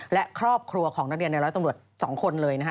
และครอบครัวของนักเรียนในร้อยตำรวจ๒คนเลยนะฮะ